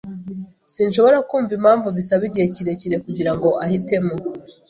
Sinshobora kumva impamvu bisaba igihe kirekire kugirango ahitemo.